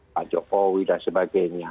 pak jokowi dan sebagainya